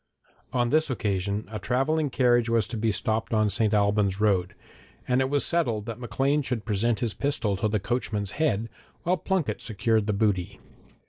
On this occasion a travelling carriage was to be stopped on the St. Albans road, and it was settled that Maclean should present his pistol to the coachman's head, while Plunket secured the booty.